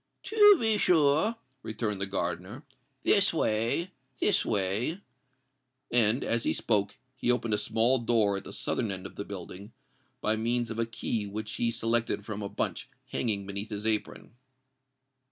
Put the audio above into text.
"To be sure," returned the gardener: "this way—this way." And, as he spoke, he opened a small door at the southern end of the building, by means of a key which he selected from a bunch hanging beneath his apron.